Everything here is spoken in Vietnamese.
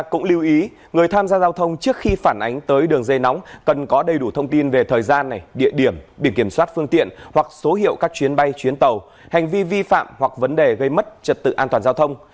cũng lưu ý người tham gia giao thông trước khi phản ánh tới đường dây nóng cần có đầy đủ thông tin về thời gian địa điểm biển kiểm soát phương tiện hoặc số hiệu các chuyến bay chuyến tàu hành vi vi phạm hoặc vấn đề gây mất trật tự an toàn giao thông